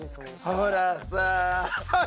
ほらさぁ。